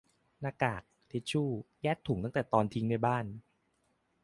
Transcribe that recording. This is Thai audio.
- หน้ากาก ทิชชู แยกถุงตั้งแต่ตอนทิ้งในบ้าน